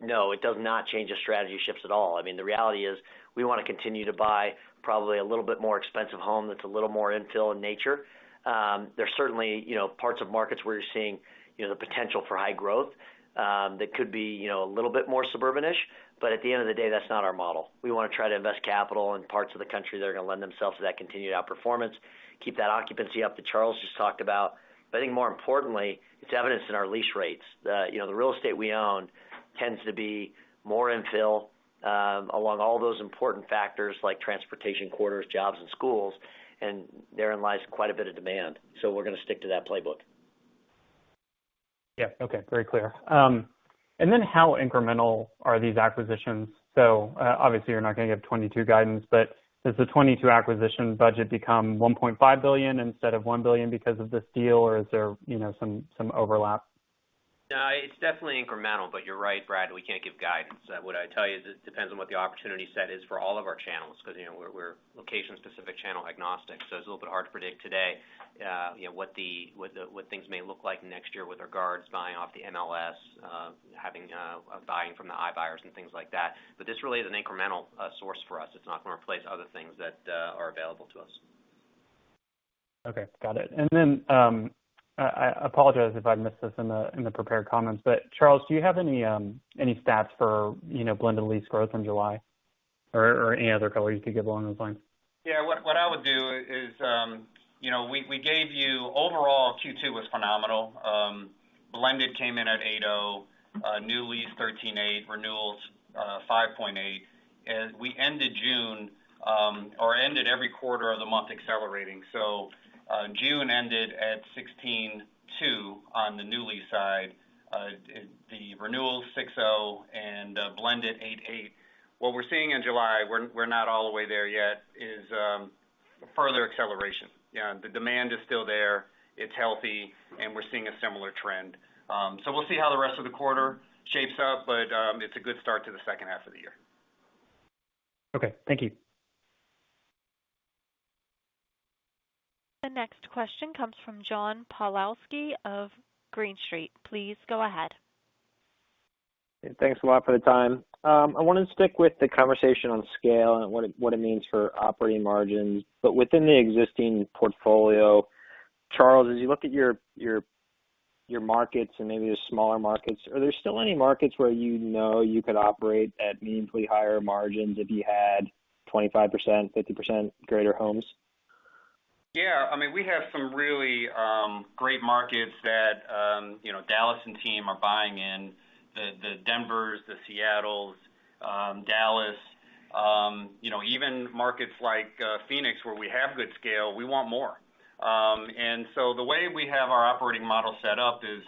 No, it does not change the strategy shifts at all. The reality is, we want to continue to buy probably a little bit more expensive home that's a little more infill in nature. There's certainly parts of markets where you're seeing the potential for high growth that could be a little bit more suburbanish. At the end of the day, that's not our model. We want to try to invest capital in parts of the country that are going to lend themselves to that continued outperformance. Keep that occupancy up that Charles just talked about. I think more importantly, it's evidenced in our lease rates. The real estate we own tends to be more infill along all those important factors like transportation corridors, jobs, and schools, and therein lies quite a bit of demand. We're going to stick to that playbook. Yeah. Okay. Very clear. How incremental are these acquisitions? Obviously you're not going to give 2022 guidance, but does the 2022 acquisition budget become $1.5 billion instead of $1 billion because of this deal, or is there some overlap? No, it's definitely incremental. You're right, Brad, we can't give guidance. What I'd tell you is it depends on what the opportunity set is for all of our channels because we're location specific, channel agnostic. It's a little bit hard to predict today what things may look like next year with regards buying off the MLS, buying from the iBuyer and things like that. This really is an incremental source for us. It's not going to replace other things that are available to us. Okay. Got it. I apologize if I missed this in the prepared comments, but Charles, do you have any stats for blended lease growth in July? Or any other color you could give along those lines? What I would do is, we gave you overall Q2 was phenomenal. Blended came in at 8.0%, new lease 13.8%, renewals 5.8%. We ended June, or ended every quarter of the month accelerating. June ended at 16.2% on the new lease side. The renewal 6.0% and blended 8.8%. What we're seeing in July, we're not all the way there yet, is further acceleration. The demand is still there, it's healthy, and we're seeing a similar trend. We'll see how the rest of the quarter shapes up, but it's a good start to the second half of the year. Okay. Thank you. The next question comes from John Pawlowski of Green Street. Please go ahead. Thanks a lot for the time. I wanted to stick with the conversation on scale and what it means for operating margins. Within the existing portfolio, Charles, as you look at your markets and maybe the smaller markets. Are there still any markets where you know you could operate at meaningfully higher margins if you had 25%, 50% greater homes? Yeah. We have some really great markets that Dallas and team are buying in. The Denvers, the Seattles, Dallas. Even markets like Phoenix, where we have good scale, we want more. The way we have our operating model set up is,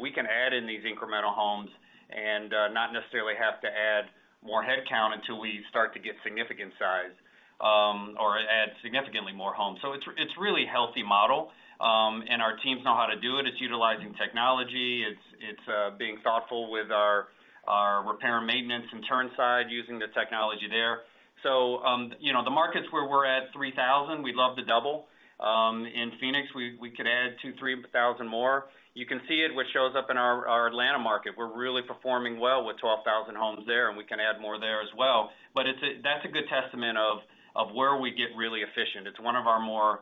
we can add in these incremental homes and not necessarily have to add more headcount until we start to get significant size, or add significantly more homes. It's really a healthy model, and our teams know how to do it. It's utilizing technology. It's being thoughtful with our repair and maintenance and turn side, using the technology there. The markets where we're at 3,000, we'd love to double. In Phoenix, we could add 2,000, 3,000 more. You can see it, which shows up in our Atlanta market. We're really performing well with 12,000 homes there, and we can add more there as well. That's a good testament of where we get really efficient. It's one of our more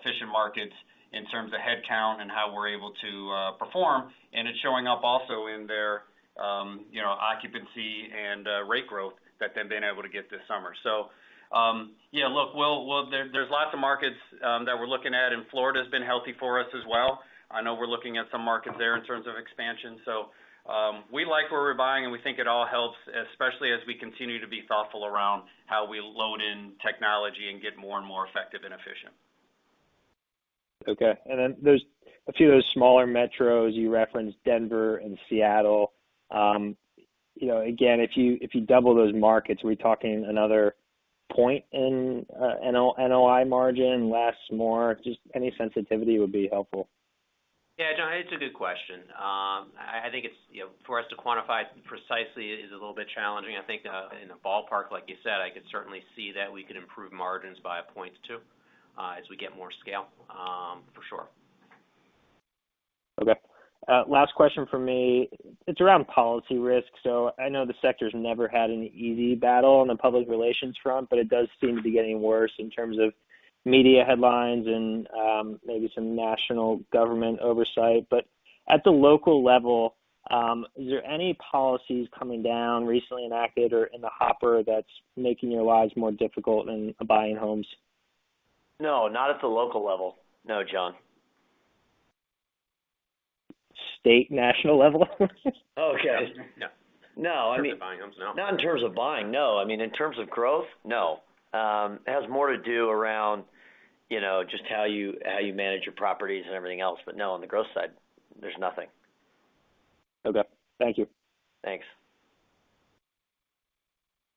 efficient markets in terms of headcount and how we're able to perform, and it's showing up also in their occupancy and rate growth that they've been able to get this summer. There's lots of markets that we're looking at, and Florida's been healthy for us as well. I know we're looking at some markets there in terms of expansion. We like where we're buying, and we think it all helps, especially as we continue to be thoughtful around how we load in technology and get more and more effective and efficient. Okay. There's a few of those smaller metros. You referenced Denver and Seattle. Again, if you double those markets, are we talking another point in NOI margin, less, more? Just any sensitivity would be helpful. John, it's a good question. I think for us to quantify precisely is a little bit challenging. I think in a ballpark, like you said, I could certainly see that we could improve margins by a point or two as we get more scale. For sure. Okay. Last question from me. It's around policy risk. I know the sector's never had an easy battle on the public relations front, but it does seem to be getting worse in terms of media headlines and maybe some national government oversight. At the local level, is there any policies coming down, recently enacted or in the hopper, that's making your lives more difficult in buying homes? No, not at the local level. No, John. State, national level? Okay. Yeah. No. In terms of buying homes, no. Not in terms of buying, no. In terms of growth, no. It has more to do around just how you manage your properties and everything else. No, on the growth side, there's nothing. Okay. Thank you. Thanks.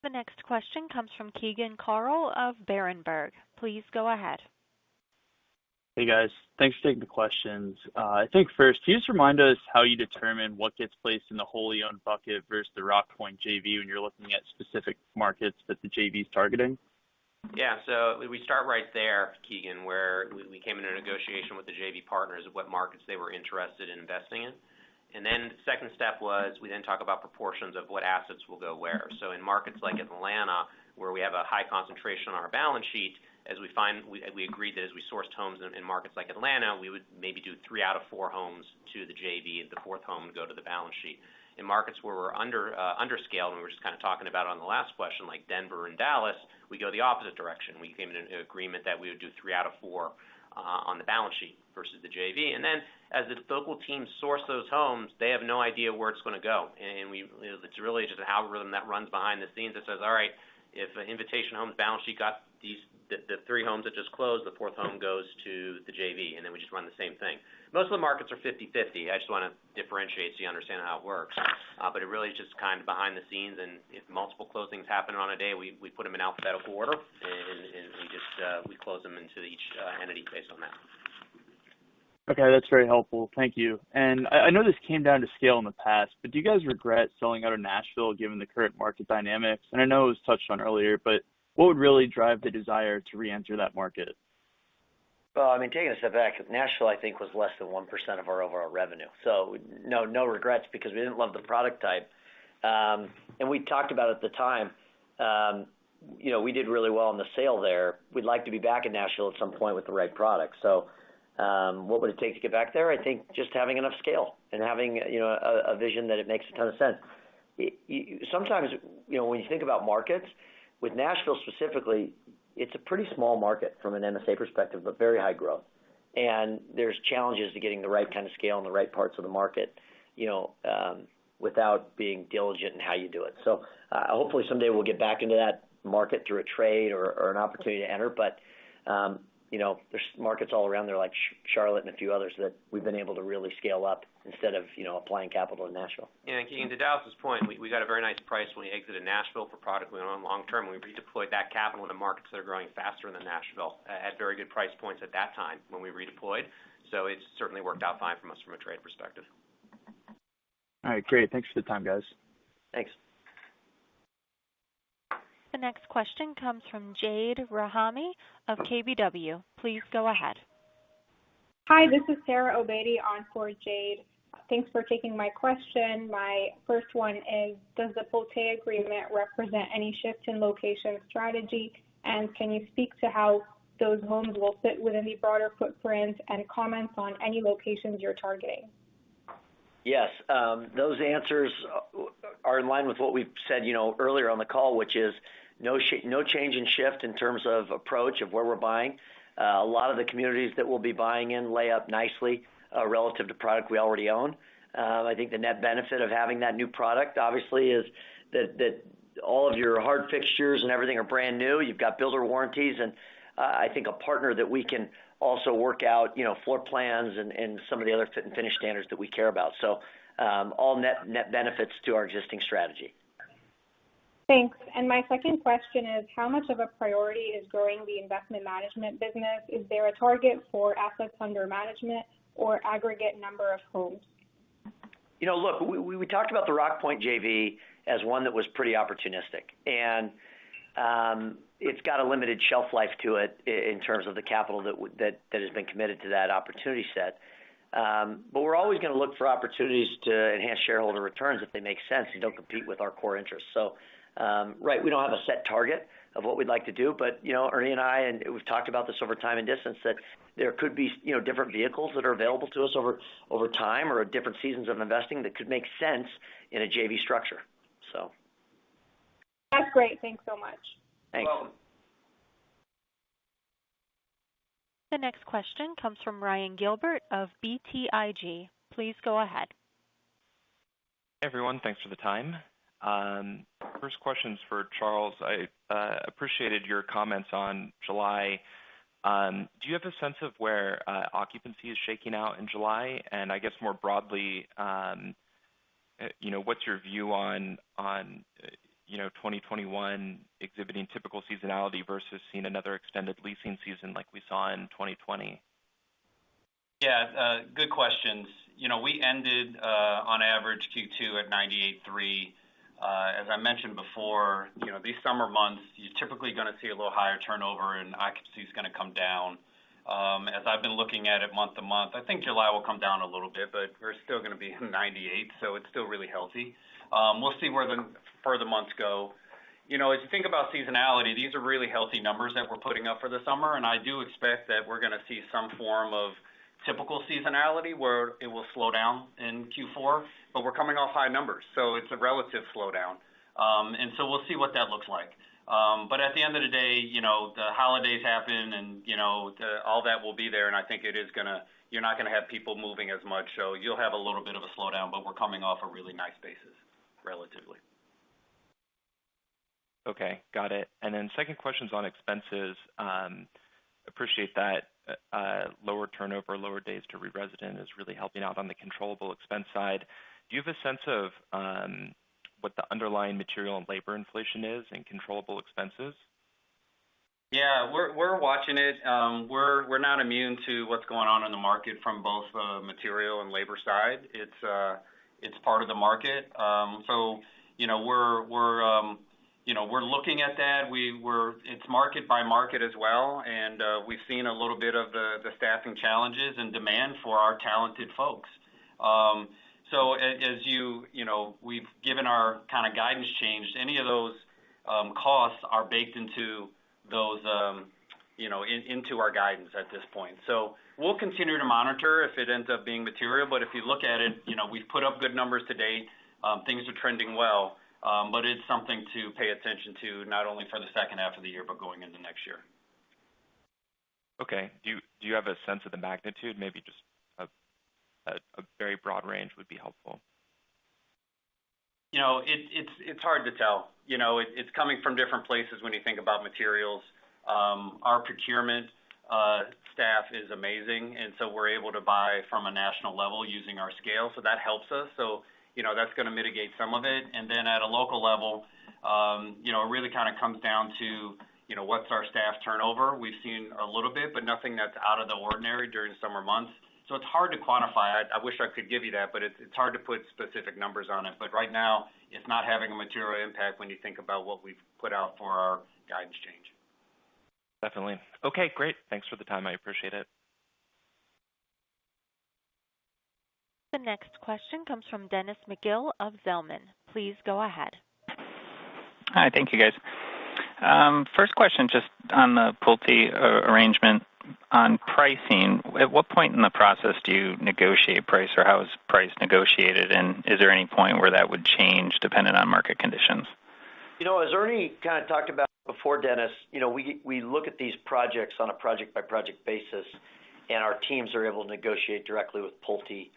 The next question comes from Keegan Carl of Berenberg. Please go ahead. Hey, guys. Thanks for taking the questions. I think first, can you just remind us how you determine what gets placed in the wholly owned bucket versus the Rockpoint JV when you're looking at specific markets that the JV's targeting? Yeah. We start right there, Keegan Carl, where we came into a negotiation with the JV partners of what markets they were interested in investing in. Second step was, we talk about proportions of what assets will go where. In markets like Atlanta, where we have a high concentration on our balance sheet, as we agreed that as we sourced homes in markets like Atlanta, we would maybe do three out of four homes to the JV, and the fourth home would go to the balance sheet. In markets where we're under-scaled, we were just kind of talking about on the last question, like Denver and Dallas, we go the opposite direction. We came into an agreement that we would do three out of four on the balance sheet versus the JV. As the local teams source those homes, they have no idea where it's going to go. It's really just an algorithm that runs behind the scenes that says, "All right. If Invitation Homes balance sheet got the three homes that just closed, the fourth home goes to the JV," then we just run the same thing. Most of the markets are 50/50. I just want to differentiate so you understand how it works. It really is just kind of behind the scenes, if multiple closings happen on a day, we put them in alphabetical order, and we close them into each entity based on that. Okay, that's very helpful. Thank you. I know this came down to scale in the past, but do you guys regret selling out of Nashville given the current market dynamics? I know it was touched on earlier, but what would really drive the desire to reenter that market? Taking a step back, because Nashville, I think, was less than 1% of our overall revenue. No regrets because we didn't love the product type. We talked about at the time, we did really well on the sale there. We'd like to be back in Nashville at some point with the right product. What would it take to get back there? I think just having enough scale and having a vision that it makes a ton of sense. Sometimes when you think about markets, with Nashville specifically, it's a pretty small market from an MSA perspective, but very high growth. There's challenges to getting the right kind of scale in the right parts of the market without being diligent in how you do it. Hopefully someday we'll get back into that market through a trade or an opportunity to enter. There's markets all around there like Charlotte and a few others that we've been able to really scale up instead of applying capital in Nashville. Keegan, to Dallas' point, we got a very nice price when we exited Nashville for product we own long term. We redeployed that capital into markets that are growing faster than Nashville at very good price points at that time when we redeployed. It's certainly worked out fine for us from a trade perspective. All right, great. Thanks for the time, guys. Thanks. The next question comes from Jade Rahmani of KBW. Please go ahead. Hi, this is Sarah Obaidi on for Jade. Thanks for taking my question. My first one is: Does the Pulte agreement represent any shift in location strategy? Can you speak to how those homes will fit within the broader footprint, and comments on any locations you're targeting? Yes. Those answers are in line with what we've said earlier on the call, which is no change in shift in terms of approach of where we're buying. A lot of the communities that we'll be buying in lay up nicely relative to product we already own. I think the net benefit of having that new product, obviously, is that all of your hard fixtures and everything are brand new. You've got builder warranties, and I think a partner that we can also work out floor plans and some of the other fit and finish standards that we care about. All net benefits to our existing strategy. Thanks. My second question is: How much of a priority is growing the investment management business? Is there a target for assets under management or aggregate number of homes? Look, we talked about the Rockpoint JV as one that was pretty opportunistic, and it's got a limited shelf life to it in terms of the capital that has been committed to that opportunity set. We're always going to look for opportunities to enhance shareholder returns if they make sense and don't compete with our core interests. We don't have a set target of what we'd like to do, but Ernie and I, and we've talked about this over time and distance, that there could be different vehicles that are available to us over time or different seasons of investing that could make sense in a JV structure. That's great. Thanks so much. Thanks. You're welcome. The next question comes from Ryan Gilbert of BTIG. Please go ahead. Everyone, thanks for the time. First question's for Charles. I appreciated your comments on July. Do you have a sense of where occupancy is shaking out in July? I guess more broadly, what's your view on 2021 exhibiting typical seasonality versus seeing another extended leasing season like we saw in 2020? Yeah. Good questions. We ended on average Q2 at 98.3%. As I mentioned before, these summer months, you're typically going to see a little higher turnover and occupancy's going to come down. As I've been looking at it month-to-month, I think July will come down a little bit, but we're still going to be 98%, so it's still really healthy. We'll see where the further months go. As you think about seasonality, these are really healthy numbers that we're putting up for the summer. I do expect that we're going to see some form of typical seasonality, where it will slow down in Q4. We're coming off high numbers, so it's a relative slowdown. We'll see what that looks like. At the end of the day, the holidays happen and all that will be there, and I think you're not going to have people moving as much. You'll have a little bit of a slowdown, but we're coming off a really nice basis, relatively. Okay. Got it. Second question is on expenses. Appreciate that lower turnover, lower days to re-resident is really helping out on the controllable expense side. Do you have a sense of what the underlying material and labor inflation is in controllable expenses? Yeah. We're watching it. We're not immune to what's going on in the market from both material and labor side. It's part of the market. We're looking at that. It's market by market as well, and we've seen a little bit of the staffing challenges and demand for our talented folks. As you know, we've given our kind of guidance change. Any of those costs are baked into our guidance at this point. We'll continue to monitor if it ends up being material, but if you look at it, we've put up good numbers to date. Things are trending well. It's something to pay attention to, not only for the second half of the year, but going into next year. Okay. Do you have a sense of the magnitude? Maybe just a very broad range would be helpful. It's hard to tell. It's coming from different places when you think about materials. Our procurement staff is amazing. We're able to buy from a national level using our scale. That helps us. That's going to mitigate some of it. Then at a local level, it really kind of comes down to what's our staff turnover. We've seen a little bit, but nothing that's out of the ordinary during summer months. It's hard to quantify. I wish I could give you that, but it's hard to put specific numbers on it. Right now, it's not having a material impact when you think about what we've put out for our guidance change. Definitely. Okay, great. Thanks for the time. I appreciate it. The next question comes from Dennis McGill of Zelman. Please go ahead. Hi. Thank you, guys. First question, just on the Pulte arrangement on pricing. At what point in the process do you negotiate price, or how is price negotiated? Is there any point where that would change depending on market conditions? As Ernie kind of talked about before, Dennis, we look at these projects on a project-by-project basis, and our teams are able to negotiate directly with Pulte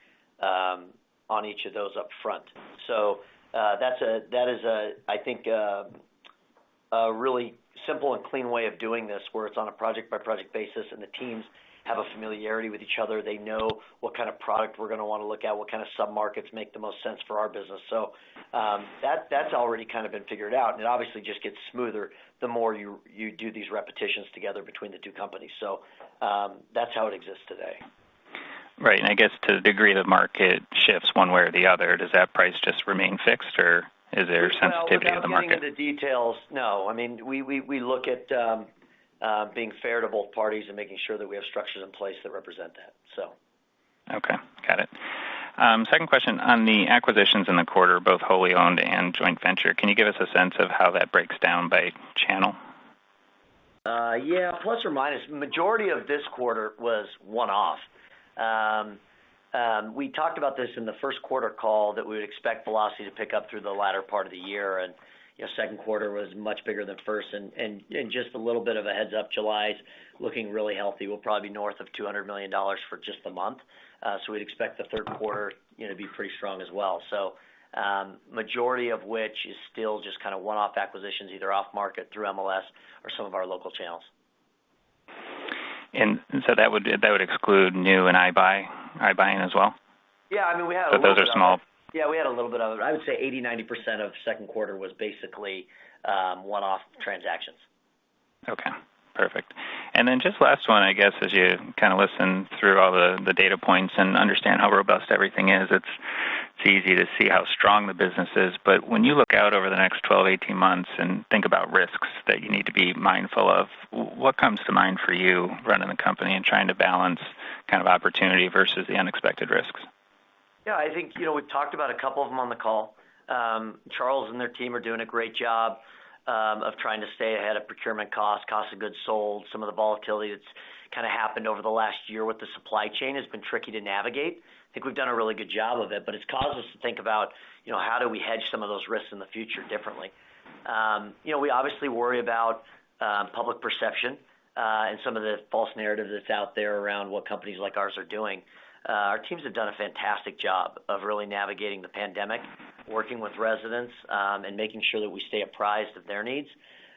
on each of those up front. That is, I think, a really simple and clean way of doing this, where it's on a project-by-project basis and the teams have a familiarity with each other. They know what kind of product we're going to want to look at, what kind of sub-markets make the most sense for our business. That's already kind of been figured out, and it obviously just gets smoother the more you do these repetitions together between the two companies. That's how it exists today. Right. I guess to the degree the market shifts one way or the other, does that price just remain fixed, or is there sensitivity to the market? Well, without getting into the details, no. We look at being fair to both parties and making sure that we have structures in place that represent that. Okay. Got it. Second question, on the acquisitions in the quarter, both wholly owned and joint venture, can you give us a sense of how that breaks down by channel? Yeah. Plus or minus. Majority of this quarter was one-off. We talked about this in the first quarter call that we would expect velocity to pick up through the latter part of the year, and second quarter was much bigger than first. Just a little bit of a heads-up, July's looking really healthy. We'll probably be north of $200 million for just the month. We'd expect the third quarter to be pretty strong as well. Majority of which is still just kind of one-off acquisitions, either off market through MLS or some of our local channels. That would exclude new and i-buying as well? Yeah. I mean. Those are small. Yeah, we had a little bit of it. I would say 80, 90% of second quarter was basically one-off transactions. Okay, perfect. Just last one, I guess, as you kind of listen through all the data points and understand how robust everything is, it's easy to see how strong the business is. When you look out over the next 12, 18 months and think about risks that you need to be mindful of, what comes to mind for you running the company and trying to balance kind of opportunity versus the unexpected risks? Yeah, I think we've talked about a couple of them on the call. Charles and their team are doing a great job of trying to stay ahead of procurement costs, cost of goods sold. Some of the volatility that's kind of happened over the last year with the supply chain has been tricky to navigate. I think we've done a really good job of it, but it's caused us to think about how do we hedge some of those risks in the future differently. We obviously worry about public perception and some of the false narrative that's out there around what companies like ours are doing. Our teams have done a fantastic job of really navigating the pandemic, working with residents, and making sure that we stay apprised of their needs.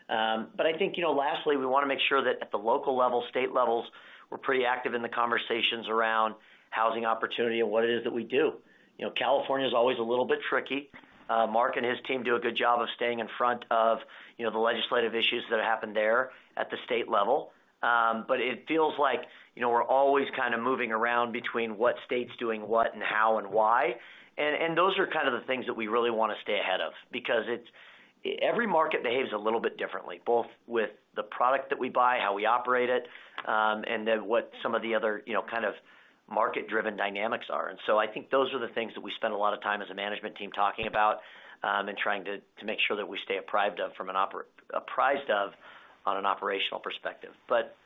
I think lastly, we want to make sure that at the local level, state levels, we're pretty active in the conversations around housing opportunity and what it is that we do. California's always a little bit tricky. Mark and his team do a good job of staying in front of the legislative issues that happen there at the state level. It feels like we're always kind of moving around between what state's doing what and how and why. Those are kind of the things that we really want to stay ahead of because every market behaves a little bit differently, both with the product that we buy, how we operate it, and then what some of the other kind of market-driven dynamics are. I think those are the things that we spend a lot of time as a management team talking about, and trying to make sure that we stay apprised of on an operational perspective.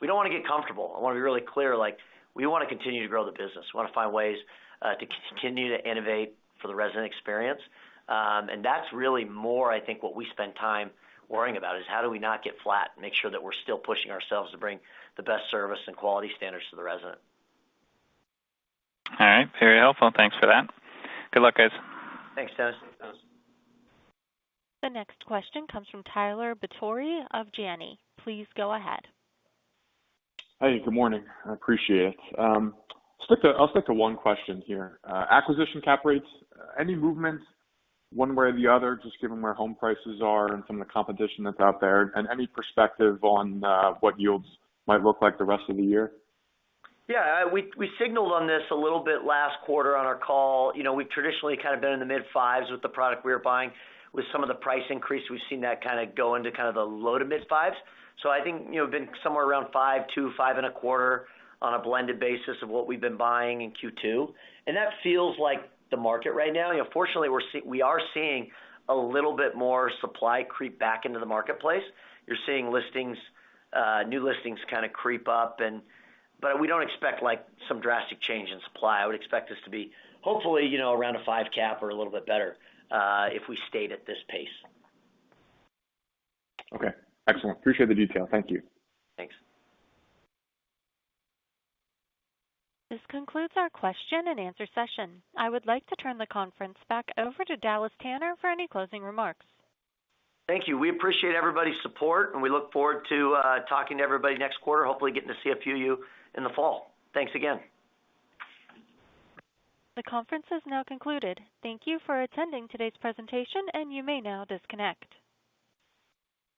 We don't want to get comfortable. I want to be really clear, we want to continue to grow the business. We want to find ways to continue to innovate for the resident experience. That's really more, I think, what we spend time worrying about, is how do we not get flat and make sure that we're still pushing ourselves to bring the best service and quality standards to the resident. All right. Very helpful. Thanks for that. Good luck, guys. Thanks, Dennis. The next question comes from Tyler Batory of Janney. Please go ahead. Hey, good morning. I appreciate it. I'll stick to one question here. Acquisition cap rates, any movement 1 way or the other, just given where home prices are and some of the competition that's out there? Any perspective on what yields might look like the rest of the year? Yeah. We signaled on this a little bit last quarter on our call. We've traditionally kind of been in the mid-fives with the product we were buying. With some of the price increase, we've seen that kind of go into kind of the low to mid-fives. I think we've been somewhere around 5.2, 5.25 on a blended basis of what we've been buying in Q2. That feels like the market right now. Fortunately, we are seeing a little bit more supply creep back into the marketplace. You're seeing new listings kind of creep up, but we don't expect some drastic change in supply. I would expect us to be hopefully around a five cap or a little bit better, if we stayed at this pace. Okay. Excellent. Appreciate the detail. Thank you. Thanks. This concludes our question and answer session. I would like to turn the conference back over to Dallas Tanner for any closing remarks. Thank you. We appreciate everybody's support, and we look forward to talking to everybody next quarter, hopefully getting to see a few of you in the fall. Thanks again. The conference is now concluded. Thank you for attending today's presentation, and you may now disconnect.